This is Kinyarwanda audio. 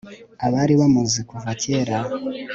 abari bamuzi kuva kera